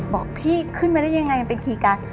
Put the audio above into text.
บอกพี่ขึ้นมาได้ยังไงยังเป็นคีย์การ์ด